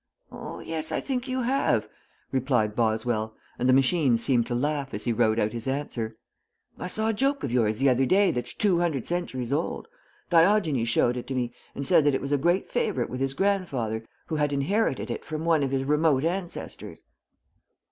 "Oh, yes, I think you have," replied Boswell, and the machine seemed to laugh as he wrote out his answer. "I saw a joke of yours the other day that's two hundred centuries old. Diogenes showed it to me and said that it was a great favorite with his grandfather, who had inherited it from one of his remote ancestors."